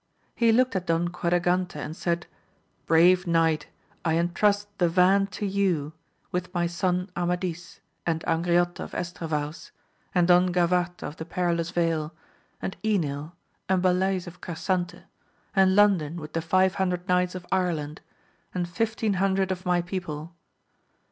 He looked at Don Quadragante and said, Brave knight, I entrust the van to you, with my son Amadis, and Angriote of Estravaus, and Don Gavarte of the Perilous Vale, and Enil, and Balays of Carsante, and Landin with the five hundred knights of Ireland, and fifteen hundred of my people.